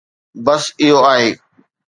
بس اهو آهي